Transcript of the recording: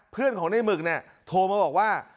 เพื่อนของในหมึกเนี่ยโทรมาบอกว่า